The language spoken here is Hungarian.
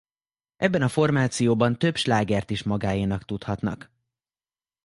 Ebben a formációban több slágert is magáénak tudhatnak.